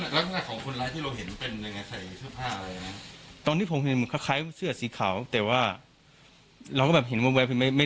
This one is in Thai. แล้วก็ของคนร้ายที่เราเห็นเป็นยังไง